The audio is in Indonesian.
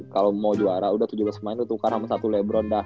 kalau mau juara udah tujuh belas pemain tuh tuker sama satu lebron dah